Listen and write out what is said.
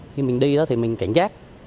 khi mình đi đó thì mình cảnh giác